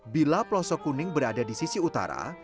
bila plosok kuning berada di sisi utara